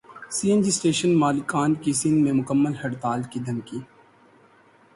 سی N G station مالکان کی سندھ میں مکمل ہڑتال کی دھمکی